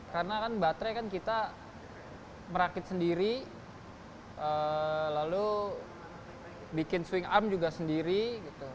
karena kan baterai kan kita merakit sendiri lalu bikin swing arm juga sendiri gitu